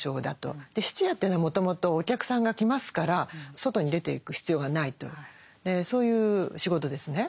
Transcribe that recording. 質屋というのはもともとお客さんが来ますから外に出ていく必要がないとそういう仕事ですね。